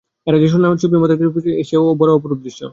এরা যে সোলার চুপি মাথায় ছিপ ফেলে মাছ ধরে, সেও বড়ো অপরূপ দৃশ্য।